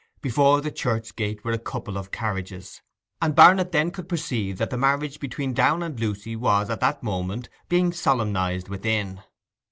Before the church gate were a couple of carriages, and Barnet then could perceive that the marriage between Downe and Lucy was at that moment being solemnized within.